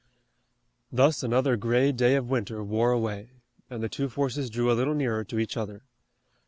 Thus another gray day of winter wore away, and the two forces drew a little nearer to each other.